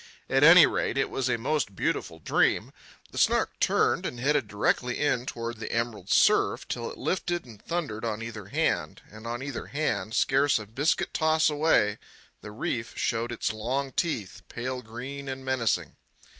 At any rate, it was a most beautiful dream. The Snark turned and headed directly in toward the emerald surf, till it lifted and thundered on either hand; and on either hand, scarce a biscuit toss away, the reef showed its long teeth, pale green and menacing.